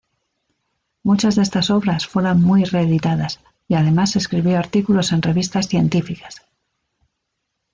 Muchas de estas obras fueron muy reeditadas, y además escribió artículos en revistas científicas.